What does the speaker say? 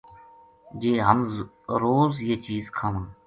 جے ہم روز یہ چیز کھاواں